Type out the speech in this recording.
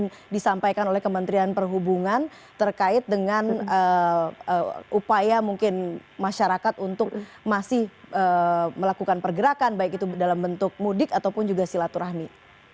apa yang disampaikan oleh kementerian perhubungan terkait dengan upaya mungkin masyarakat untuk masih melakukan pergerakan baik itu dalam bentuk mudik ataupun juga silaturahmi